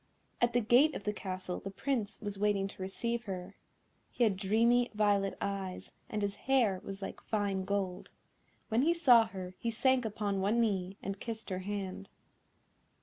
At the gate of the Castle the Prince was waiting to receive her. He had dreamy violet eyes, and his hair was like fine gold. When he saw her he sank upon one knee, and kissed her hand.